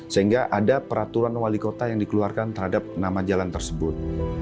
sehingga ada peraturan wali kota yang dikeluarkan terhadap nama jalan tersebut